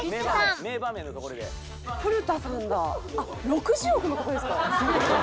６０億の方ですか？